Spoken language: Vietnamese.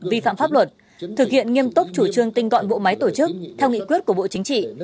vi phạm pháp luật thực hiện nghiêm túc chủ trương tinh gọn bộ máy tổ chức theo nghị quyết của bộ chính trị